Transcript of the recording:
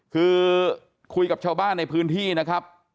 คือคุยกับชาวบ้านในพื้นที่นะครับ